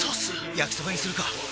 焼きそばにするか！